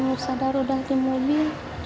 udah sadar udah di mobil